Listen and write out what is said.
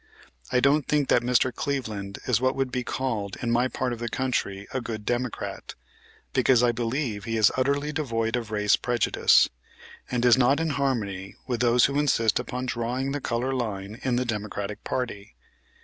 I don't think that Mr. Cleveland is what would be called in my part of the country a good Democrat, because I believe he is utterly devoid of race prejudice, and is not in harmony with those who insist upon drawing the color line in the Democratic party.